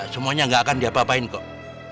semuanya nggak akan diapa apain kok